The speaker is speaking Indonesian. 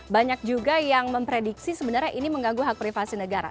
banyak juga yang memprediksi sebenarnya ini mengganggu hak privasi negara